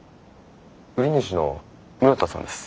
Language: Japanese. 売り主の室田さんです。